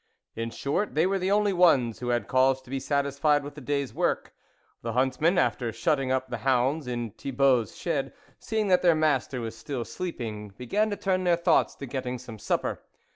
In short, they were the only ones who had cause to be satisfied with the day's work. The huntsmen, after shutting up the hounds in Thibault's shed, seeing that THE WOLF LEADER their master was still sleeping, began to turn their thoughts to getting some sup per.